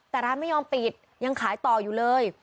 แต่ร้านไม่ยอมปิดยังขายต่ออยู่เลย